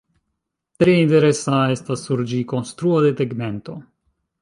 Tre interesa estas sur ĝi konstruo de tegmento.